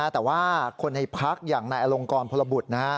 แต่ว่าคนในพักอย่างนายอลงกรพลบุตร